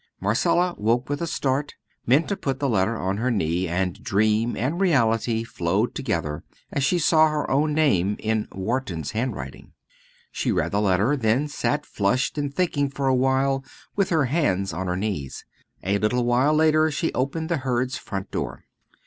Marcella woke with a start, Minta put the letter on her knee, and dream and reality flowed together as she saw her own name in Wharton's handwriting. She read the letter, then sat flushed and thinking for a while with her hands on her knees. A little while later she opened the Hurds' front door.